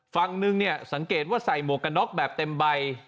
ฝั่งนึงเนี่ยสังเกตว่าใส่หมวกกันน็อกแบบเต็มใบ